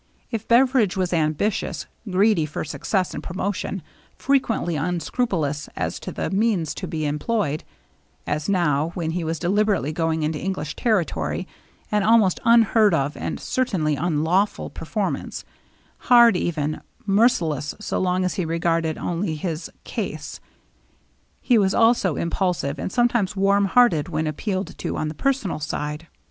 If Beveridge was ambitious, greedy for success and promotion, frequently unscrupulous as to the means to be employed, — as now, when he was deliberately going into English territory, an almost unheard of and certainly unlawful performance, — hard, even merciless, so long as he regarded only his " case "; he was also impulsive and sometimes warm hearted when appealed to on the personal side.